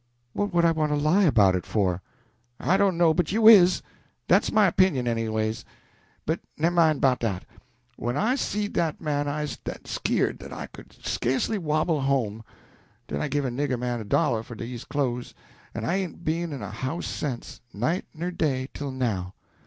"What would I want to lie about it for?" "I don't know but you is. Dat's my opinion, anyways. But nemmine 'bout dat. When I seed dat man I 'uz dat sk'yerd dat I could sca'cely wobble home. Den I give a nigger man a dollar for dese clo'es, en I ain't be'n in a house sence, night ner day, till now.